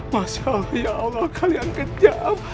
masya allah ya allah kalian kejam